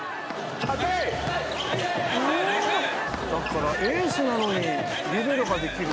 だからエースなのにリベロができる。